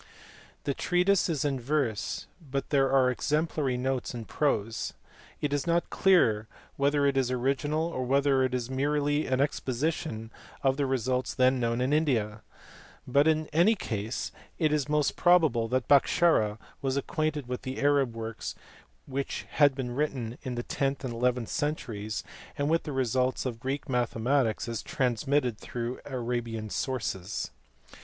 The treatise is in verse but there are explanatory notes in prose. It is not clear whether it is original or whether it is merely an exposition of the results then known in India; but in any case it is most probable that Bhaskara was ac quainted with the Arab works which had been written in the tenth and eleventh centuries, and with the results of Greek mathematics as transmitted through Arabian sources.